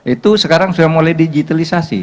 itu sekarang sudah mulai digitalisasi